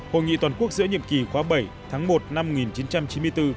hội nghị toàn quốc giữa nhiệm kỳ khóa bảy tháng một năm một nghìn chín trăm chín mươi bốn